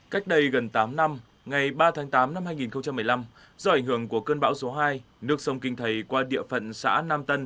cách đây gần tám năm ngày ba tháng tám năm hai nghìn một mươi năm do ảnh hưởng của cơn bão số hai nước sông kinh thầy qua địa phận xã nam tân